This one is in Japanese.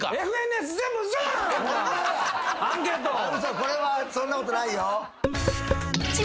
これはそんなことないよ。